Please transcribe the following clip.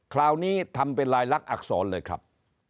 คราวนี้ทำเป็นลายลักษณอักษรเลยครับ